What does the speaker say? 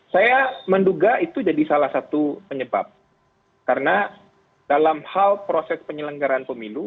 saya menduga itu jadi salah satu penyebab karena dalam hal proses penyelenggaraan pemilu